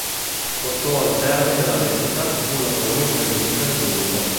Portò al termine la recita e fu la sua ultima esibizione pubblica.